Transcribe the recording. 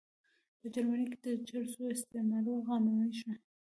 په جرمني کې د چرسو استعمال قانوني شو.